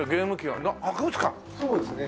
そうですね。